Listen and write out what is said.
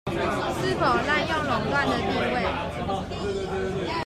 是否濫用壟斷的地位